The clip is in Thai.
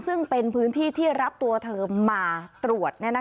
ซึ่งเป็นพื้นที่ที่รับตัวเธอมาตรวจ